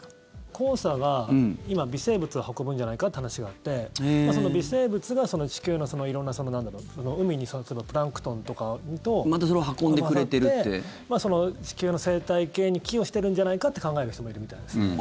黄砂は今、微生物を運ぶんじゃないかって話があってその微生物が地球の色んな海のプランクトンとかと混ざって地球の生態系に寄与してるんじゃないかって考える人もいるみたいですね。